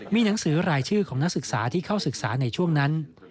มีหนังสือรายชื่อของนักศึกษาที่เข้าศึกษาในช่วงนั้น